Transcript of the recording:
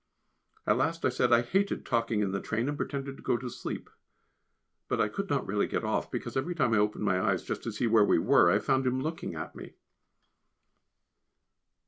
At last I said I hated talking in the train, and pretended to go to sleep. But I could not get really off, because every time I opened my eyes just to see where we were, I found him looking at me.